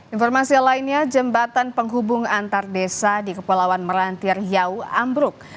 informasi lainnya jembatan penghubung antar desa di kepulauan merantir riau ambruk